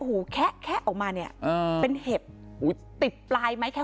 หูแคะแคะออกมาเนี่ยเออเป็นเห็บอุ้ยติดปลายไหมแค่